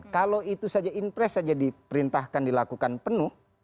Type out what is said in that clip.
kalau itu saja impres saja diperintahkan dilakukan penuh